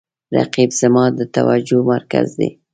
رقیب زما د توجه مرکز دی